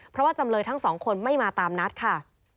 เพราะว่าจำเลยทั้งสองคนไม่มาตามนัดค่ะ